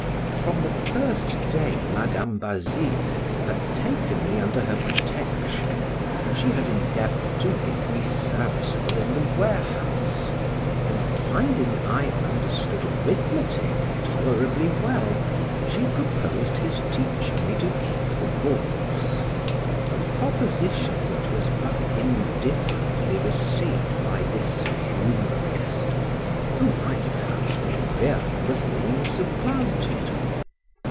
From the first day Madam Basile had taken me under her protection, she had endeavored to make me serviceable in the warehouse; and finding I understood arithmetic tolerably well, she proposed his teaching me to keep the books; a proposition that was but indifferently received by this humorist, who might, perhaps, be fearful of being supplanted.